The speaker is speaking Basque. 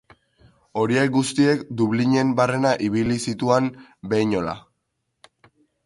Horiek guztiek Dublinen barrena ibili zituan behinola.